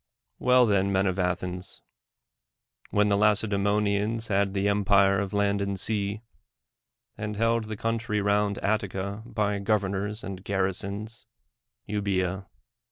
Well then, men of Athens — when the Lacedae monians had the empire of land and sea, and held the country round Attica by governors and gar risons, Euboca.